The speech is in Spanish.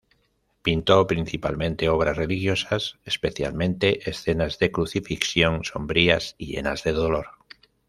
Pintó principalmente obras religiosas, especialmente escenas de crucifixión sombrías y llenas de dolor.